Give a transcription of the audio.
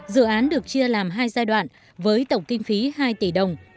dự án được chia làm hai giai đoạn với tổng kinh phí hai tỷ đồng